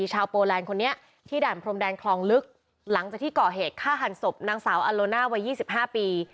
โปแลนด์คนนี้ที่ด่านพรมแดนคลองลึกหลังจากที่ก่อเหตุฆ่าหันศพนางสาวอโลน่าวัย๒๕ปี